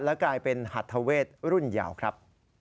แล้วกลายเป็นหัฐเวชรุ่นเยาครับ